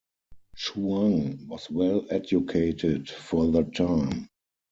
Chuang was well educated for the time.